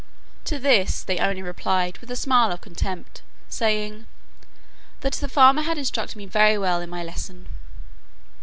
To this they only replied with a smile of contempt, saying, "that the farmer had instructed me very well in my lesson."